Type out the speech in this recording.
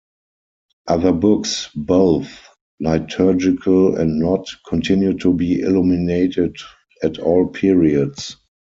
Other books, both liturgical and not, continued to be illuminated at all periods.